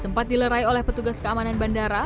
sempat dilerai oleh petugas keamanan bandara